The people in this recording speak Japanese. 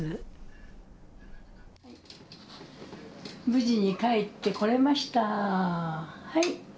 無事に帰ってこれました。